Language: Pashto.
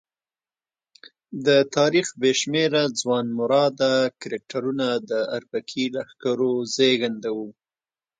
د تاریخ بې شمېره ځوانمراده کرکټرونه د اربکي لښکرو زېږنده وو.